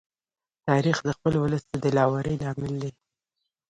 تاریخ د خپل ولس د دلاوري لامل دی.